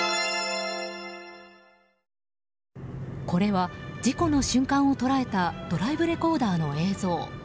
これは事故の瞬間を捉えたドライブレコーダーの映像。